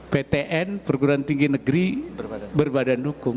ptn perguruan tinggi negeri berbadan hukum